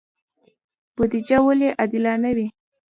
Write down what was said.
بودجه ولې عادلانه وي؟